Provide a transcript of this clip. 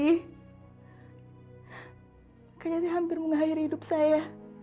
kayaknya saya hampir mengakhiri hidup saya